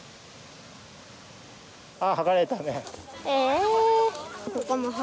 ああはがれたね。